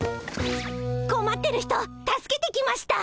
こまってる人助けてきました！